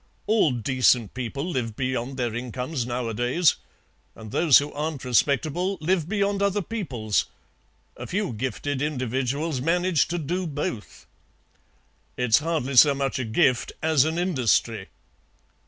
All decent people live beyond their incomes nowadays, and those who aren't respectable live beyond other peoples. A few gifted individuals manage to do both." "It's hardly so much a gift as an industry."